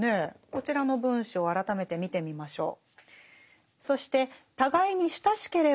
こちらの文章を改めて見てみましょう。